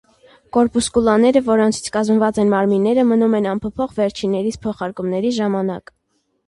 Կորպուսկուլաները, որոնցից կազմված են մարմինները, մնում են անփոփոխ վերջիններիս փոխարկումների ժամանակ։